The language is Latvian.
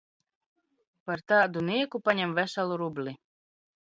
Par tādu nieku paņem veselu rubli!